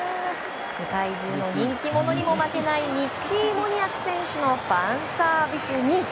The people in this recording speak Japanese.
世界中の人気者にも負けないミッキー・モニアク選手のファンサービスに。